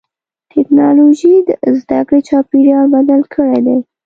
ټکنالوجي د زدهکړې چاپېریال بدل کړی دی.